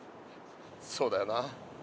そうだよな。